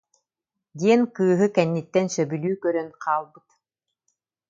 диэн кыыһы кэнниттэн сөбүлүү көрөн хаалбыт